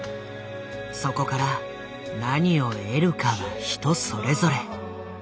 そこから何を得るかは人それぞれ。